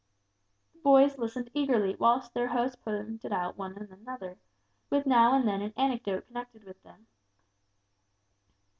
The boys listened eagerly whilst their host pointed out one and another, with now and then an anecdote connected with them.